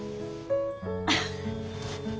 あっ。